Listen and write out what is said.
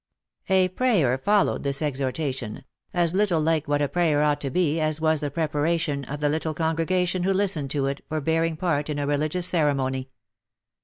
A prayer followed this exhort ation, as little like what a prayer ought to be, as was the preparation of the little congregation who listened to it for bearing part in a religious ceremony.